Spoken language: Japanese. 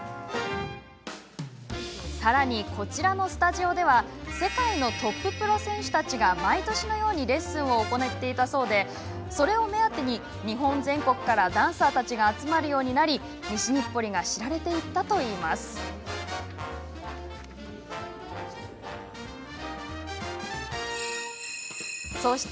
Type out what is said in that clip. さらに、こちらのスタジオでは世界のトッププロ選手たちが毎年のようにレッスンを行っていたそうでそれを目当てに日本全国からダンサーたちが集まるようになり西日暮里が知られるようになったそうなんです。